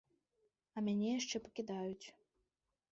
А мяне яшчэ пакідаюць.